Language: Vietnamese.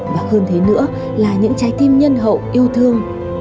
và hơn thế nữa là những trái tim nhân hậu yêu thương